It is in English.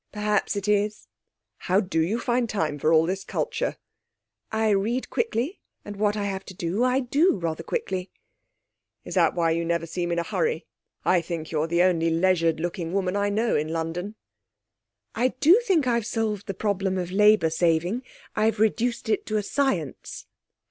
'Perhaps it is.' 'How do you find time for all this culture?' 'I read quickly, and what I have to do I do rather quickly.' 'Is that why you never seem in a hurry? I think you're the only leisured looking woman I know in London.' 'I do think I've solved the problem of labour saving; I've reduced it to a science.'